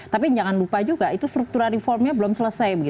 tapi jangan lupa juga itu struktural reformnya belum selesai